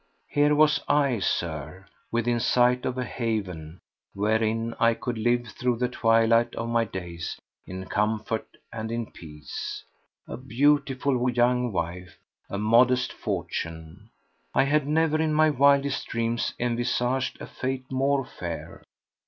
Here was I, Sir, within sight of a haven wherein I could live through the twilight of my days in comfort and in peace, a beautiful young wife, a modest fortune! I had never in my wildest dreams envisaged a Fate more fair.